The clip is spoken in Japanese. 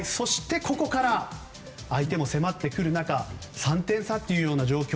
ここから相手も迫ってくる中３点差という状況。